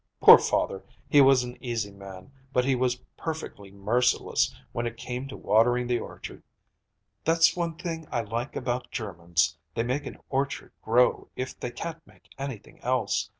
Poor father, he was an easy man, but he was perfectly merciless when it came to watering the orchard." "That's one thing I like about Germans; they make an orchard grow if they can't make anything else.